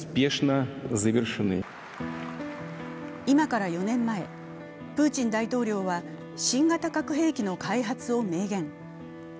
今から４年前、プーチン大統領は新型核兵器の開発を明言。